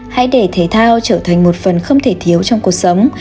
hãy để thể thao trở thành một phần không thể thiếu trong cuộc sống